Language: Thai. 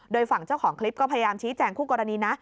โดยฝั่งเจ้าของคลิปก็พยายามชี้แจงคู่กรณีนะ